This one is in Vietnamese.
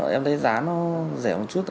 em thấy giá nó rẻ một chút